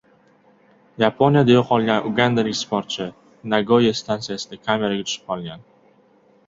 Yaponiyada yo‘qolgan ugandalik sportchi Nagoya stansiyasida kameraga tushib qolgan